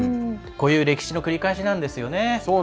こういう歴史の繰り返しですね。